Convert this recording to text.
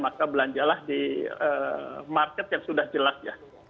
maka belanjalah di market yang sudah dihasilkan